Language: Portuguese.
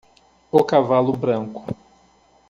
O cavalo branco.